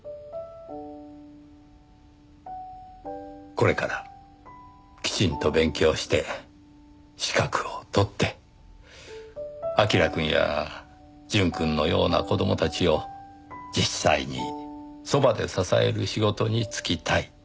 これからきちんと勉強して資格を取って彬くんや淳くんのような子供たちを実際にそばで支える仕事に就きたい。